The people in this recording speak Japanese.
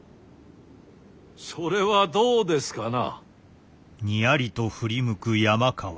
・それはどうですかな？